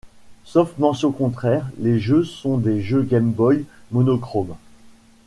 Sauf mention contraire, les jeux sont des jeux Game Boy monochrome.